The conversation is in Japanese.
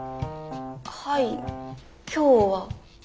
はい今日は。